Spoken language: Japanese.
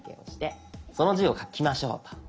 その字を書きましょうと。